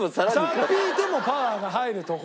さっ引いてもパワーが入るところなの。